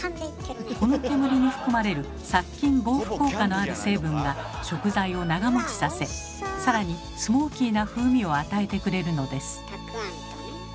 この煙に含まれる殺菌・防腐効果のある成分が食材を長もちさせ更にスモーキーな風味を与えてくれるのです。